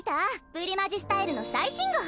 プリマジスタイルの最新号！